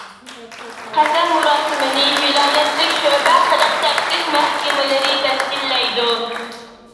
قەسەم مۇراسىمىنى ۋىلايەتلىك شۆبە خەلق تەپتىش مەھكىمىلىرى تەشكىللەيدۇ.